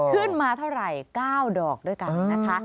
ขึ้นมาเท่าไหร่๙ดอกด้วยกันนะคะ